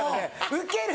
「ウケる！